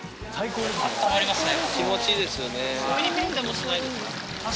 温まりますね。